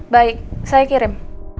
baik saya kirim